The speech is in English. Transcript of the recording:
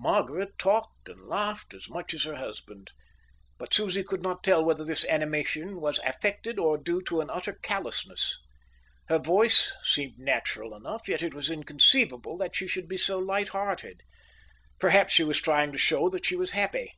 Margaret talked and laughed as much as her husband, but Susie could not tell whether this animation was affected or due to an utter callousness. Her voice seemed natural enough, yet it was inconceivable that she should be so lighthearted. Perhaps she was trying to show that she was happy.